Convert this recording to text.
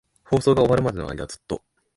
放送が終わるまでの間、ずっと。